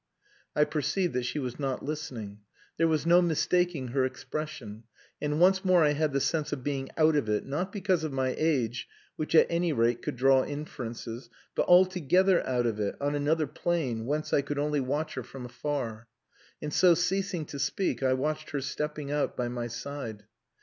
I perceived that she was not listening. There was no mistaking her expression; and once more I had the sense of being out of it not because of my age, which at any rate could draw inferences but altogether out of it, on another plane whence I could only watch her from afar. And so ceasing to speak I watched her stepping out by my side.